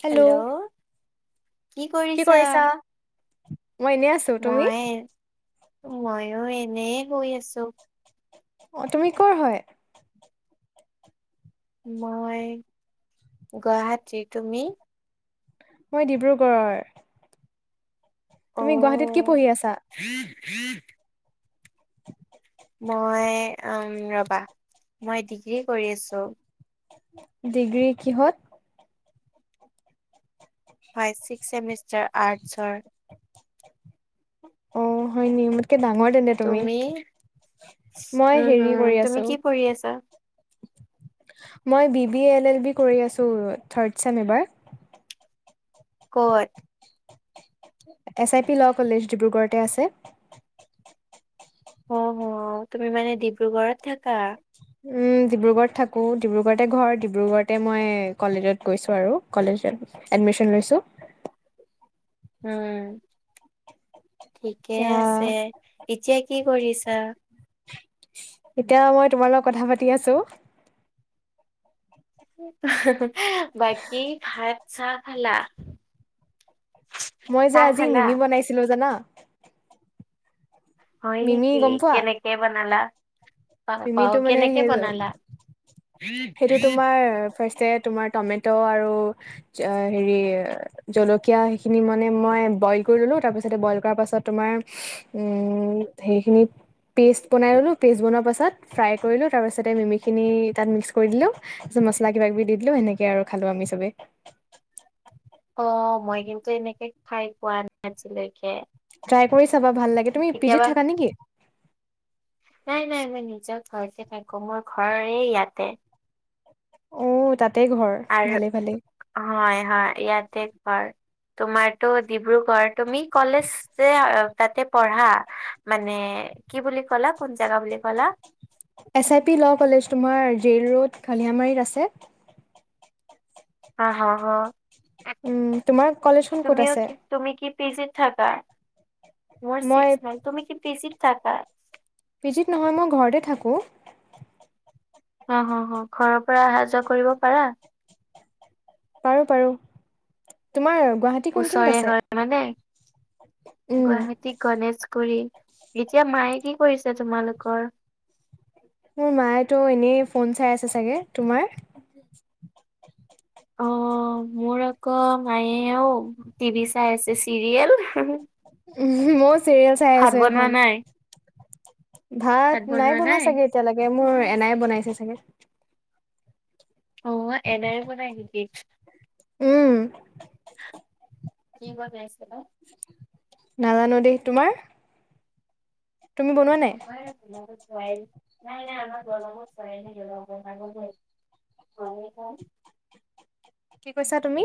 Hello কি কৰিছা? মই এনে আছো তুমি? মই ময়ো এনে গৈ আছো অ তুমি কৰ হয় মই গুৱাহাটীৰ তুমি মই ডিব্ৰুগড়ৰ তুমি গুৱাহাটীত কি অ' পঢ়ি আছা? [unintelligible] মই উ ৰবা মই ডিগ্ৰী কৰি আছো ডিগ্ৰী কিহত হয় ছিক্স চেমিষ্টাৰ আৰ্টছৰ অ হয় নি মোতকে ডাঙৰ তেন্তে তুমি মই উম হেৰি হম কৰি তুমি আছো কি পঢ়ি আছা? মই B B L L B কৰি আছো থাৰ্ড ছেম এইবাৰ। কত? S I P law college ডিব্ৰুগড়তে আছে। অঁ হ তুমি মানে ডিব্ৰুগড়ত থাকা? উম ডিব্ৰুগড়ত থাকো ডিব্ৰুগড়তে ঘৰ ডিব্ৰুগড়তে মই কলেজত গৈছো আৰু কলেজত এডমিচন লৈছোঁ। উম, ঠিকে এতিয়া আছে। এতিয়া কি কৰিছা? এতিয়া মই তোমাৰ লগত কথা পাতি আছোঁ। বাকী ভাত চাহ খালা? মই যে চাহ আজি খালা? মিমি বনাইছিলো জানা হয় মিমি নেকি কেনেকে বনালা? গম পাও, মিমিটো মানে কেনেকে সেই বনালা? সেইটো তোমাৰা ফা ৰ্ষ্টে তোমাৰ টমেট' আৰু হেৰি জলকীয়া সেইখিনি মানে মই বইল কৰি ললো তাৰ পিছতে বইল কৰাৰ পাছত তোমাৰ উম সেইখিনিত পেষ্ট বনাই ললো পেষ্ট বনোৱা পাছত ফ্ৰাই কৰিলো তাৰপিছতে মিমি খিনি তাত মিক্স কৰি দিলো তাৰপিছত মছলা কিবা কিবি দি দিলো সেনেকে আৰু খালো আমি চবে। অঁ মই কিন্তু এনেকে খাই পোৱা নাই আজিলৈকে। ট্ৰাই কৰি চাবা ভাল লাগে। তুমি কেতিয়াবা পিজিত থাকা নেকি? নাই নাই মই নিজৰ ঘৰতে থাকো মোৰ ঘৰ এই ইয়াতে। অঁ তাতে ঘৰ? আৰু ভালে ভালে হয় হয় ইয়াতে ঘৰ। তোমাৰটো ডিব্ৰুগড় তুমি কলেজ যে তাতে পঢ়া মানে কি বুলি ক'লা কোন জাগা বুলি ক'লা? S I P law college তোমাৰ জেইল ৰোড খালিয়ামাৰীত আছে। আ হ হ। উম তোমাৰ কলেজখন ক'ত আছে? কি তুমি কি পিজিত থাকা? মোৰ মই ছিক্স ছেম। তুমি কি পিজিত থাকা? পিজিত নহয় মই ঘৰতে থাকোঁ। অঁ হ হ। ঘৰৰ পৰা অহা যোৱা কৰিব পাৰা? পাৰোঁ পাৰোঁ। তোমাৰ গুৱাহাটী কোনখিনিত ওচৰে আছে হয় মানে উম গুৱাহাটী গণেশ গুৰি। এতিয়া মায়ে কি কৰিছে তোমালোকৰ? মোৰ মায় ত' এনেই ফোন চাই আছে চাগে। তোমাৰ? অ মোৰ আকৌ মায়েও টিভি চাই আছে চিৰিয়েল। উম মইও চিৰি ভাত বনোৱা নাই? ভাত নাই বনোৱা চাগে এতিয়ালৈকে মোৰ এনাই বনাইছে চাগে। অঁ এনোই বনাই নেকি? উম কি বনাইছে বা? নাজানো দেই। তোমাৰ? তুমি বনোৱা নাই আমাৰ এই বনাব হোৱাই নাই নাই আমাৰ বনাব হোৱাই নাই এতিয়ালৈ বনাবহে [unintelligible] কি কৈছা তুমি?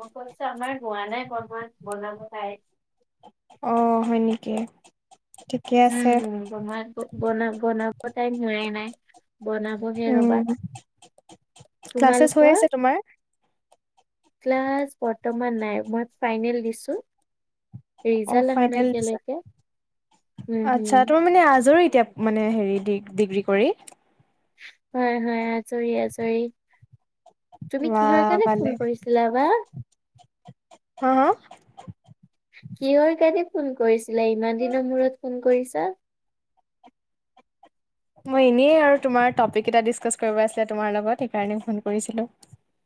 মফছ আমাৰ হোৱা নাই বনমান বনাব খাই। [unintelligible] অ' হয় নেকি? আছে উমম বন ব বনাাব তাই ম নাই বনা [unintelligible] উম ক্লাছেছ হৈ তোমালোকৰ? আছে তোমাৰ? ক্লাছ বৰ্তমান নাই মই ফাইনেল দিছো। অ', ৰিজাল্ট অহা নাই ফাইনেল দিছা, এতিয়ালৈকে। উম আচ্ছা হুম তুমি মানে আজৰি এতিয়া। মানে হেৰি ডি- ডিগ্ৰী কৰি। হয় হয় আজৰি আজৰি। তুমি বা কিহৰ কাৰণে ভালে ফোন কৰিছিলা বা? হা হা। কিহৰ কাৰণে ফোন কৰিছিলা ইমান দিনৰ মূৰত ফোন কৰিছা। মই এনে আৰু তমাৰ টপিক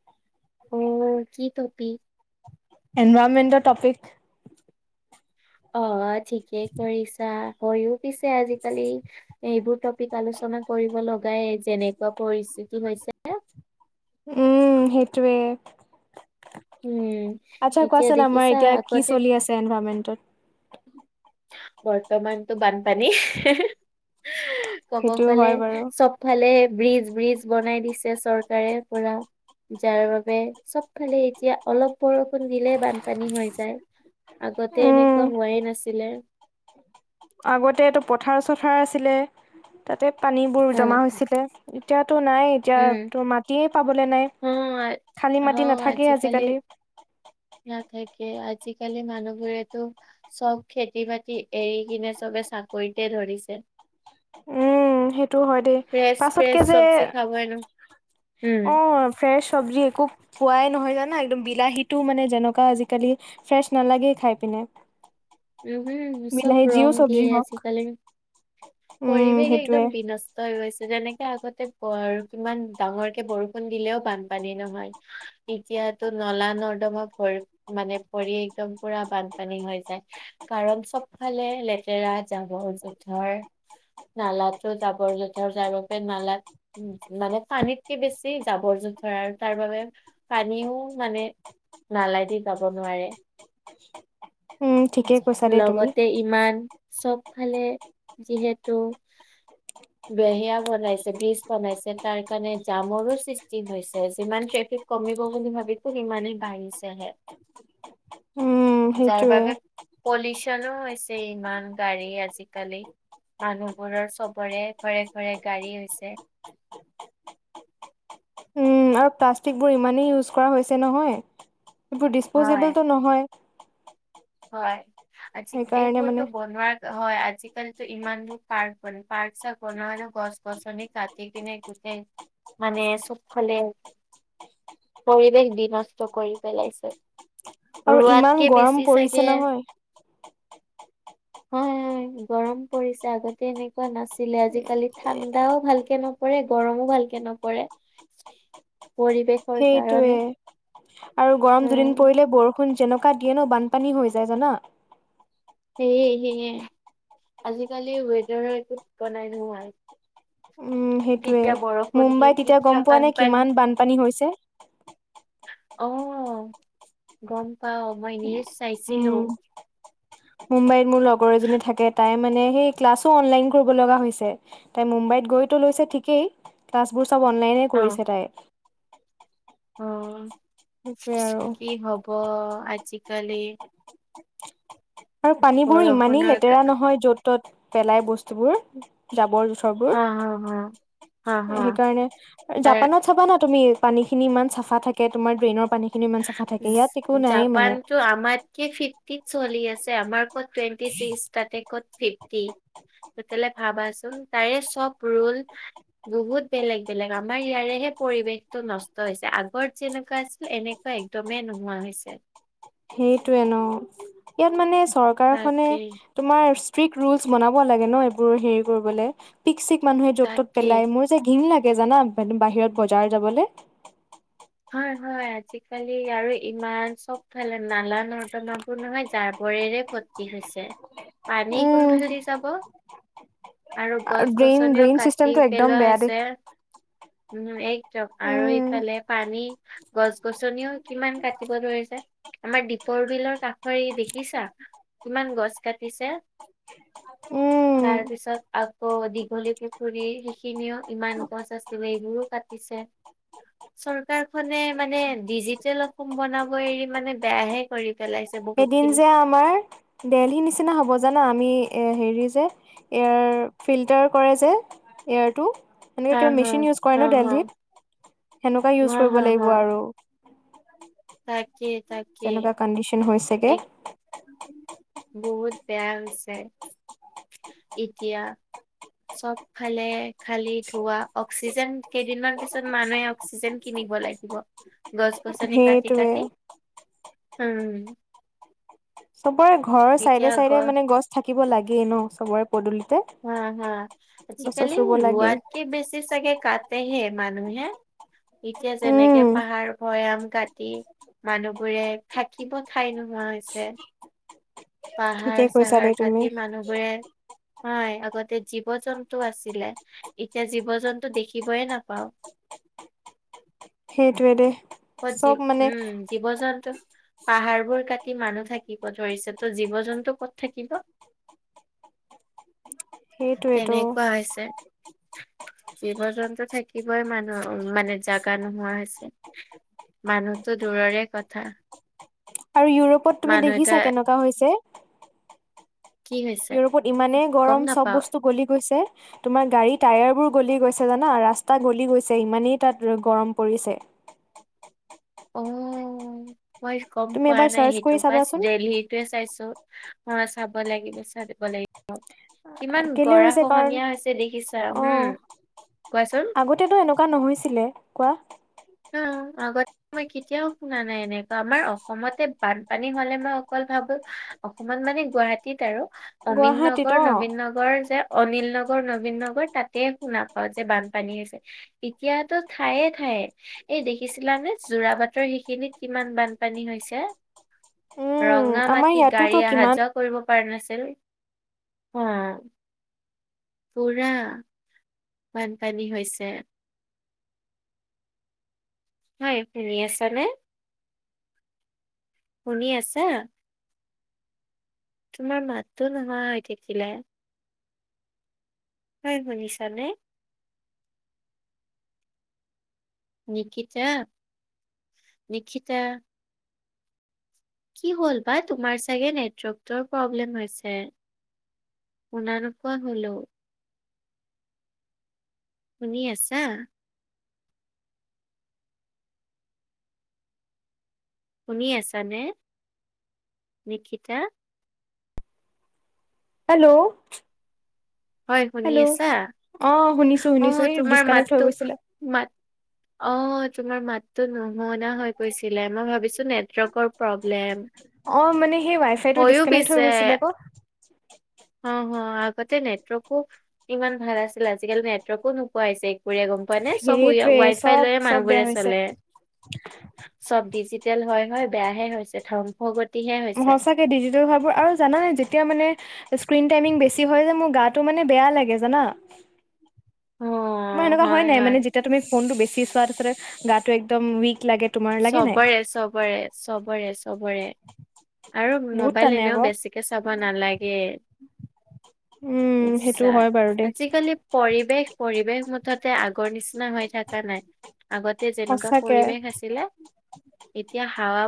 [unintelligible] [inaudible] [unintelligible] এনভাৰৰণমেণ্টৰ টপিক। অ', ঠিকেই কৰিছা হৈয়ো পিছে আজিকালি এইবোৰ টপিক আলোচনা কৰিব লগাই যেনেকুৱা পৰিস্থিতি হৈছে। উম সেইটোৱে। উম আচ্ছা এতিয়া কোৱাচোন আমাৰ দেখিছা এতিয়া কি আগতে চলি আছে এনভাৰৰনমেন্টত। বৰ্তমানতটো বানপানী কব সেইটো গলে হয় চব বাৰু চবফালে ব্ৰিজ- ব্ৰিজ বনাই দিছে চৰকাৰে পোৰা। যাৰ বাবে চব ফালে এতিয়া অলপ বৰষুণ দিলে বানপানী হৈ যায়। আগতে উম এনেকুৱা হোৱাই নাছিলে। আগতেটো পথাৰ - চথাৰ আছিলে, তাতে পানীবোৰ জমা উম, হৈছিলে। এতিয়াতো নাই। এতিয়া উম, তো মাটিয়ে পাবলে নাই অ'। খালী মাটি অ', নাথাকেই আজিকালি। নাথাকে আজিকালি মানুহবোৰেতো চব খেতি - বাতি এৰি কিনে চবে চাকৰিতে ধৰিছে। উম সেইটোও হয় দেই পাছতকে যে খাব এ ন উম। অ [unintelligible] ফ্ৰেছ চব্জি একো পোৱাই নহয় জানা একদম বিলাহীটো মানে যেনেকুৱা আজিকালি ফ্ৰেছ নালাগেই খাই পিনে। উম হম চব বিলাহী যিও ৰং চব্জি দিয়ে হওক আজিকালি, উম পৰিৱেশ একদম সেইটোয়ে বিনষ্ট হৈ গৈছে তেনেকে আগতে কিমান ডাঙৰকে বৰষুণ দিলেও বানপানী নহয়। এতিয়াতো নলা- নৰ্দমা ভৰি মানে পৰি একদম পুৰা বানপানী হৈ যায়। কাৰণ চবফালে লেতেৰা জাবৰ- জোথৰ। নালাতো জাবৰ জোথৰ যাব প নালাত মানে পানীতকে বেছি জাবৰ- জোথৰ আৰু তাৰ বাবে পানীও মানে নালাই দি যাব নোৱাৰে। উম ঠিকেই কৈছা দেই তুমি লগতে ইমান চবফালে যিহেতু উ। বে হেয়া বনাইছে ব্ৰীজ বনাইছে তাৰ কাৰণে জামৰো সৃষ্টি হৈছে যিমান ট্ৰেফিক কমিব বুলি ভাবিছো, সিমানেই বাঢ়িছেহে। উম। যাৰ সেইটোয়ে বাবে পলিউশ্যনো হৈছে ইমান গাড়ী আজিকালি। মানুহবোৰৰ চবৰে ঘৰে ঘৰে গাড়ী হৈছে। উম আৰু প্লাষ্টিক বোৰ ইমানেই ইউজ কৰা হৈছে নহয় এইবোৰ হয় ডিচপজিবলটো নহয়। হয় আজি সেইকাৰণে এইবোৰতো মানে বনোৱাৰ হয় আজিকালিতো ইমান বোৰ পাৰ্ক বন পাৰ্ক চাৰ্ক বনোৱা আৰু গছ গছনি কাটি কিনে মানে চব ফলে পৰিৱেশ বিনষ্ট কৰি পেলাইছে আৰু ইমান ৰোৱাতকে গৰম বেছি চাগ পৰিছে এ [inaudible] হয় গৰম পৰিছে আগতে এনেকুৱা নাছিলে আজিকালি ঠাণ্ডাও ভালকে নপ পৰে গৰমো ভালকে নপৰে [inaudible] পৰিৱেশ সেইটোৱে আৰু গৰম দুদিন উম পৰিলে বৰ ষুন যেনেকুৱা দিয়ে ন বানপানী হৈ যায় জানা সেয়ে সেয়ে আজিকালি ৱেডাৰৰ একো ঠিকনাই নোহোৱাই উম সেইটোৱে কেতিয়া বৰষুণ কি কি মুম্বাইত এতিয়া গম কেতিয়া পোৱা নে বানপানী কিমান বানপানী হৈছে অ গম পাওঁ মই নিউজ চাইছিলো উম মুম্বাইত মোৰ লগৰ এজনী থাকে তাই মানে সেই ক্লাছো অনলাইন কৰিব লগা হৈছে তাই মুম্বাইত গৈতো লৈছে ঠিকেই ক্লাছবোৰ চব অনলাইনে অ কৰিছে তাই অ সেইটোয়ে আৰু কি হব আজিকালি আৰু পানীবোৰো ইমানেই বৰষুণৰ কা লেতেৰা নহয় য'ত ত'ত পেলাই বস্তুবোৰ জাবৰ জোথ জোথৰ বোৰ হা হা হা হা হা সেইকাৰণে তাৰ জাপানত চাবা না তুমি পানীখিন ইমান চাফা থাকে তোমাৰ ড্ৰেইনৰ পানী খিনি ইমান চাফা থাকে ইয়াত একো নাই মানে জাপানতো আমাতকে ফিফটিত চলি আছে আমাৰ কত টোৱেন্টি চিক্স তাতে ক'ত ফিফটি তেতিয়া হ'লে ভাবাচোন তাৰে চব ৰৌল বহুত বেলেগ বেলেগ আমাৰ ইয়াৰেহে পৰিৱেশতো নষ্ট হৈছে আগত যেনেকুৱা আছিল এনে কোৱা একদমেই নোহোৱা হৈছে সেইটোয়ে ন ইয়াত মানে চৰকাৰখনে তাকে তোমাৰ ষ্ট্ৰিক্ট ৰুলচ বনাব লাগে ন এইবোৰ হেৰি কৰিবলে পিক চিক মানুহে য'ত ত'ত তাকে পেলাই মোৰ যে ঘিন লাগে জানা বাহিৰত বজাৰ যাবলে হয় হয় আজিকালি আৰু ইমান চবফালে নালা নৰ্দমাবোৰ নহয় জাবৰেৰে ভত তি হৈছে, পানী কোনফালে দি যাব আৰু গছ ড্ৰেইন গছনিও ড্ৰেইন কাটি চিষ্টেমটো একদম পেলোৱা বেয়া দেই হৈছে উম একদম আৰু ইফালে পানী, গছ গছনিও কিমান কাটিব ধৰিছে আমাৰ দীপৰ বিলৰ কাষৰী দেখিছা কিমান গছ কাটিছে উম তাৰ পিছত আকৌ দীঘলী পুখুৰী সেইখিনিও ইমান গছ আছিলো সেইবোৰো কাটিছে চৰকাৰখনে মানে ডিজিটেল অসম বনাব এৰি মানে বেয়াহে কৰি পেলাইছ এদিন যে আমাৰ দেলহি নিচিনা হ'ব জানা আমি এ হেৰি যে এয়াৰ ফিল্টাৰ কৰে যে এয়াৰটো সেনেকে হয়, কিবা হয়, মেচিন ইউজ কৰে ন হয়, হয়, দেলহিত সেনেকুৱা ইউজ হয়, কৰিব লাগিব আৰু তাকেই তাক যেনেকুৱা কণ্ডিচন হৈছেগে। বহুত বেয়া হৈছে। এতিয়া চব ফালে খালি ধোৱা অক্সিজেন কেইদিনমান পিছত মানুহে অক্সিজেন কিনিব লাগিব। গছ-গছনি কাটি সেইটোৱে কাটি উম। চবৰে ঘৰৰ চাইডে চাইডে মানে গছ থাকিব লাগেই ন' চবৰে পদূলিতে। হা হা গছ চছ আজিকালি ৰুব লাগে ৰোৱাতক বেছি চাগে কাটহে মানুহ হে। এতিয়া উম যেনেকে পাহাৰ ভৈয়াম কাটি। মানুহ বোৰে থাকিব ঠাই নোহোৱা হৈছে। ঠিকে কৈছা পাহাৰ-চাহাৰ দেই তুমি কাটি মানুহবোৰে হয়, আগতে জীৱ-জন্তু আছিলে, এতিয়া জীৱ-জন্তু দেখিবয়ে নাপাও। সেইটোৱে দেই। পত জী উম, জীৱ-যন্তু পাহাৰ বোৰ কাটি মানুহ থাকিব ধৰিছে, ত' জীৱ-জন্তু ক'ত থাকিব। [inaudible] তেনেকুৱা হৈছে। জীৱ-জন্তু থাকিবই মানুহ মানে জাগা নোহোৱা হৈছে। মানুহতো দূৰৰে কথা। আৰু ইউৰোপত তুমি মানুহ এটা দেখিছা কেনেকুৱা হৈছে? কি হৈছে ইউৰোপত ইমানেই গম গৰম চব নাপাও বস্তু গলি গৈছে। তোমাৰ গাড়ী টায়াৰ বোৰ গলি গৈছে জানা? ৰাস্তা গলি গৈছে ইমানেই তাত গৰম পৰিছে। অ', মই গম তুমি পোৱা এবাৰ নাই চাৰ্চ সেইটো কৰি বাছ চাবাচোন দেলহি টোৱে চাইছো অ', চাব লাগিব চাই দিব লাগিব। কিমান কেলে গৰা হৈছে কাৰণ খহনীয়া হৈছে দেখিছা হম, কোৱাচোন। তেটো এনেকুৱা নহৈছিলে কোৱা। অ', আগত মই কেতিয়াও শুনা নাই এনেকুৱা আমাৰ অসমতে বানপানী হ'লে মই অকল ভাবো অসমত মানে গুৱাহাটীত আৰু অমিন গুৱাহাটীত নগৰ অ নবীন নগৰ গৰ যে অনিল নগৰ নবীন নগৰ তাতে শুনা পাওঁ যে, বানপানী হৈছে। এতিয়াতো ঠায়ে ঠায়ে। এই দেখিছিলানে যোৰা বাটৰ সেইখিনিত কিমান বানপানী হৈছে? উম ৰঙা আমাৰ মাটি গাড়ী ইয়াতোতো অহা কিমান যোৱা কৰিব পৰা নাছিল, অ', পুৰা বানপানী হৈছে। হয়, শুনি আছ নে? শুনি আছা? তোমাৰ মাতটো নহা হৈ থাকিলে। হয়, শুনিছা নে? নখিতা নখিতা? কি হ'ল বা? তুমাৰ চাগে নেটৱৰ্ক টোৰ প্ৰব্লেম হৈছে। শুনা নোপোৱা হলোঁ। শুনি আছা? শুনি আছানে নিখিতা? হেল্ল'? হয় শুনি হেল্ল'? আছা? অ শুনিছো শুনিছো এই ডিচকানেক্ট হৈ গৈছিলে। মান অ তোমাৰ মাতটো নুশুনা হৈ গৈছিলে, মই ভাবিছো নেটৱৰ্কৰ প্ৰব্লেম। অ মানে সেই ৱাই ফাইটো হয়ো ডিচকানেক্ট হৈ পিছে গৈছিলে ক। অ অ, আগতে নেটৱৰ্কো ইমান ভাল আছিল আজিকালি নেটৱৰ্কো নোপোৱা হৈছে একবৰিয়া গম হয়নে? চব উ সেইটোৱে ৱাই ফাই চব লৈয়ে চব বেয়া মানুহবোৰে হৈছে চলে। চব ডিজিটেল হয় - হয় বেয়াহে হৈছে ধ্বংসগত সচাকে ডিজিটেল ভাবোৰ আৰু জানা নাই যেতিয়া মানে স্ক্ৰীন টাইমিং বেছি হয় যে মোৰ গাটো মানে বেয়া লাগে জানা। অ তোমাৰ এনেকুৱা হয় নাই মানে যেতিয়া তুমি ফোনটো বেছি চোৱা তাতে গাটো একদম উইক লাগে। তোমাৰ লাগে নাই চবৰে চবৰে চবৰে চবৰে। আৰু বহুত মোবাইল টানে এনেও আকৌ বেছিকে চাব নালাগে। উম সেইটো নিচছা হয় বাৰু দেই আজিকালি পৰিৱেশ - পৰিৱেশ মুঠতে আগৰ নিচিনা হৈ থকা নাই। আগতে যেনেকুৱা সঁচাকে পৰিৱেশ আছিলে এতিয়া হাৱা